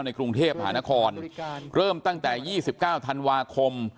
ในกรุงเทพฯหานครเริ่มตั้งแต่ยี่สิบเก้าธันวาคม